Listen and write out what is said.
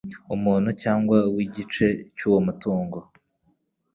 umuntu cyangwa w igice cy uwo mutungo